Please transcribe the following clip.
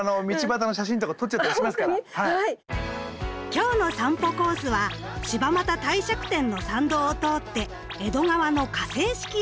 今日の散歩コースは柴又帝釈天の参道を通って江戸川の河川敷へ。